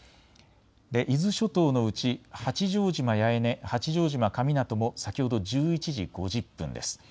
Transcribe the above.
伊豆諸島のうち八丈島八重根、八丈島神湊も先ほど１１時５０分です。